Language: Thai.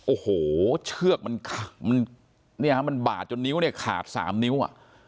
โอ้โหเชือกมันเนี่ยฮะมันบาดจนนิ้วเนี่ยขาดสามนิ้วอ่ะ